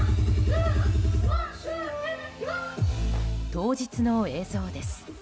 当日の映像です。